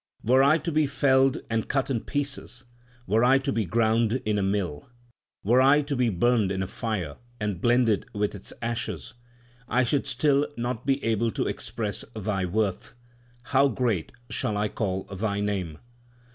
Were I to be felled and cut in pieces, were I to be ground in a mill ; Were I to be burned in a fire, and blended with its ashes, 1 should still not be able to express Thy worth ; how great shall I call Thy name